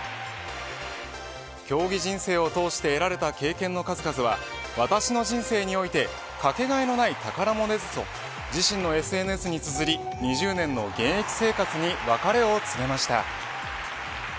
競技人生を通して得られた経験の数々は私の人生においてかけがえのない宝物ですと自身のＳＮＳにつづり２０年の現役生活に別れを告げました。